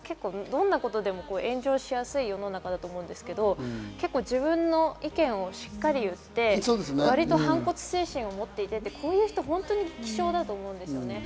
どんなことでも炎上しやすい世の中だと思うんですけど、自分の意見をしっかり言って、わりと反骨精神を持っていて、こういう人は本当に希少だと思うんですよね。